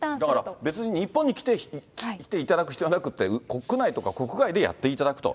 だから、別に日本に来ていただく必要はなくって、国内とか国外でやっていただくと。